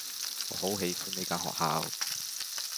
我好喜歡呢間學校